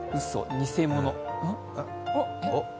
偽物？